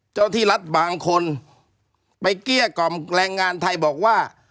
ที่รัฐบางคนไปเกลี้ยกล่อมแรงงานไทยบอกว่า